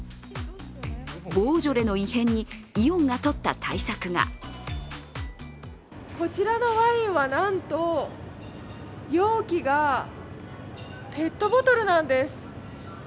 ボージョレの異変にイオンがとった対策がこちらのワインは、なんと容器がペットボトルなんです。